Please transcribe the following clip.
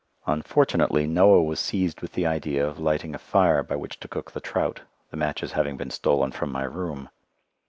Unfortunately Noah was seized with the idea of lighting a fire by which to cook the trout, the matches having been stolen from my room.